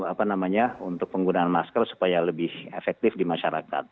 apa namanya untuk penggunaan masker supaya lebih efektif di masyarakat